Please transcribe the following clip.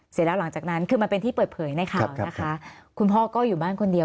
เสร็จแล้วหลังจากนั้นคือมันเป็นที่เปิดเผยในข่าวนะคะคุณพ่อก็อยู่บ้านคนเดียว